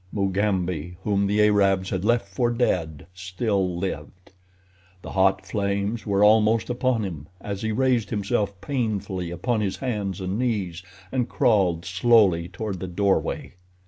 Mugambi, whom the Arabs had left for dead, still lived. The hot flames were almost upon him as he raised himself painfully upon his hands and knees and crawled slowly toward the doorway.